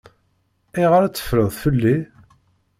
Ayɣeṛ ad teffreḍ fell-i?